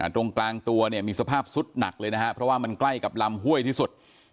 ตรงกลางตัวเนี่ยมีสภาพสุดหนักเลยนะครับเพราะว่ามันใกล้กับลำห้วยที่สุด